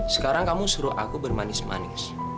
sekarang kamu suruh aku bermanis manis